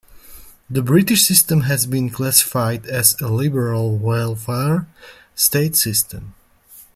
The British system has been classified as a liberal welfare state system.